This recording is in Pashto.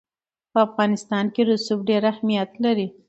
په افغانستان کې رسوب ډېر اهمیت لري.